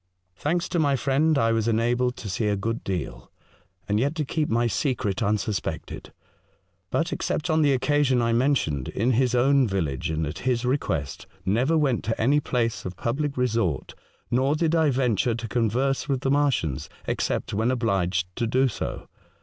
Thanks to my friend, I was enabled to see a good deal, and yet to keep my secret unsus pected ; but, except on the occasion I men tioned, in his own village and at his request, never went to any place of public resort, nor did I venture to converse with the Martians, except when obliged to do so.